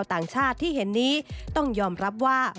เป็นอย่างไรนั้นติดตามจากรายงานของคุณอัญชาลีฟรีมั่วครับ